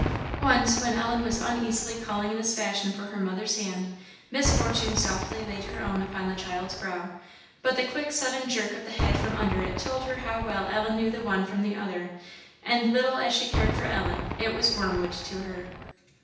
Once, when Ellen was uneasily calling in this fashion for her mother's hand, Miss Fortune softly laid her own upon the child's brow; but the quick sudden jerk of the head from under it told her how well Ellen knew the one from the other; and, little as she cared for Ellen, it was wormwood to her.